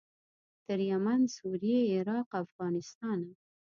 تر یمن، سوریې، عراق او افغانستانه.